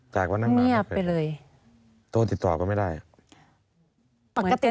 จากวันนั้นมาโตติดต่อก็ไม่ได้เนียบไปเลย